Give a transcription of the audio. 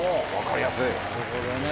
なるほどね！